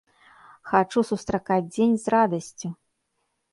Хачу сустракаць дзень з радасцю!